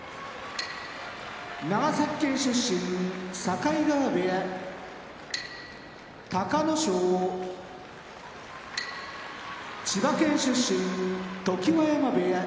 長崎県出身境川部屋隆の勝千葉県出身常盤山部屋